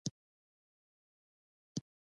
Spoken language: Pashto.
د زړه له تله مننه